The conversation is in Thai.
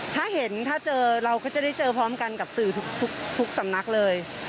ถ้าเห็นถ้าเจอเราก็จะได้เจอพร้อมกันกับสื่อทุกสำนักเลย